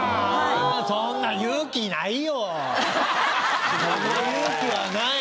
そんな勇気はない。